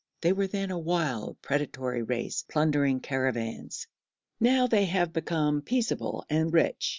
They were then a wild predatory race, plundering caravans; now they have become peaceable and rich.